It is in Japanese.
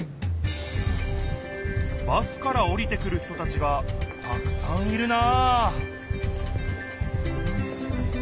バスからおりてくる人たちがたくさんいるな！